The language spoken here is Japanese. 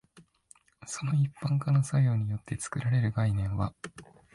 その一般化の作用によって作られる概念は、